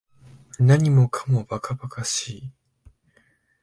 何もかも馬鹿馬鹿しい